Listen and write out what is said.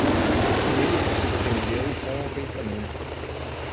Ele se surpreendeu com o pensamento.